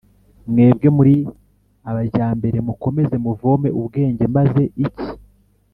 Mwebwe muri abajyambere mukomeze muvome ubwenge maze iki